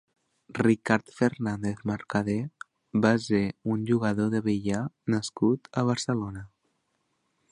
Ricard Fernández Mercadé va ser un jugador de billar nascut a Barcelona.